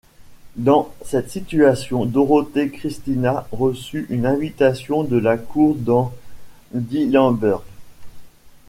Dans cette situation, Dorothée Christina reçu une invitation de la cour dans Dillenburg.